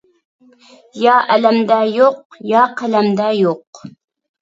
يا ئەلەمدە يوق، يا قەلەمدە يوق.